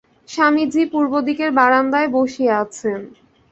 স্বামীজী পূর্বদিকের বারান্দায় বসিয়া আছেন।